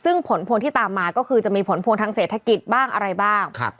ซึ่งผลพวงที่ตามมาก็คือจะมีผลพวงทางเศรษฐกิจบ้างอะไรบ้าง